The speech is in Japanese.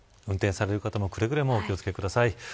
運転される方もくれぐれも気を付けください。